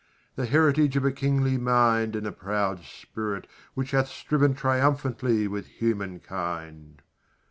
The heritage of a kingly mind, And a proud spirit which hath striven Triumphantly with human kind.